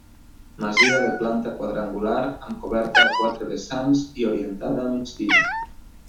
Masia de planta quadrangular amb coberta a quatre vessants i orientada a migdia.